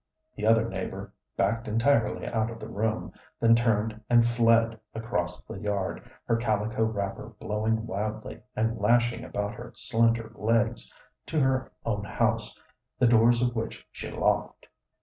The other neighbor backed entirely out of the room, then turned and fled across the yard, her calico wrapper blowing wildly and lashing about her slender legs, to her own house, the doors of which she locked.